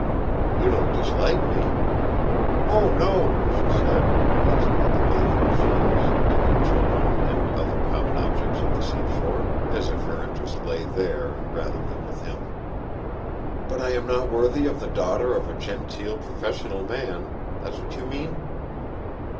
'You don't dislike me?' 'O no!' she said, gazing at the bathing machines, digging children, and other common objects of the seashore, as if her interest lay there rather than with him. 'But I am not worthy of the daughter of a genteel professional man that's what you mean?'